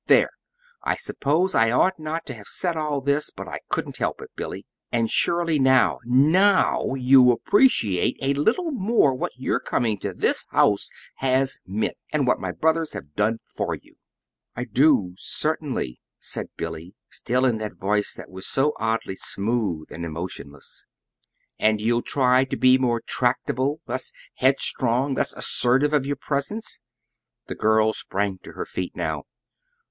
There! I suppose I ought not to have said all this, but I couldn't help it, Billy. And surely now, NOW you appreciate a little more what your coming to this house has meant, and what my brothers have done for you." "I do, certainly," said Billy, still in that voice that was so oddly smooth and emotionless. "And you'll try to be more tractable, less headstrong, less assertive of your presence?" The girl sprang to her feet now.